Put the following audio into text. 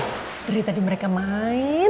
jadi tadi mereka main